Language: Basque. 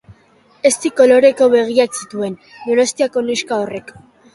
Ezti koloreko begiak zituen Donostiako neska horrek